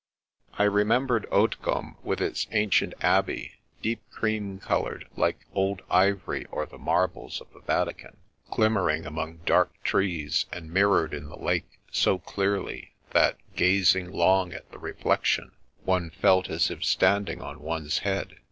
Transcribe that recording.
I remembered Hautecombe, with its ancient Abbey, deep cream coloured, like old ivory or the marbles of the Vatican, glimmering among dark trees, and mirrored in the lake so clearly that, gazing long at the reflection, one felt as if standing on one's head.